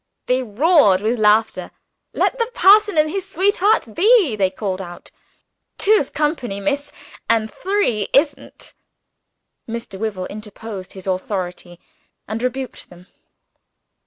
They roared with laughter. "Let the parson and his sweetheart be," they called out; "two's company, miss, and three isn't." Mr. Wyvil interposed his authority and rebuked them.